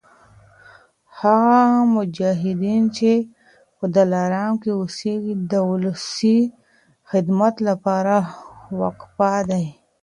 هغه مجاهدین چي په دلارام کي اوسیږي د ولسي خدمت لپاره وقف دي